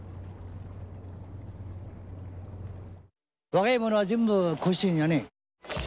若い者は全部甲子園やね。